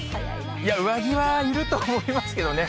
上着はいると思いますけどね。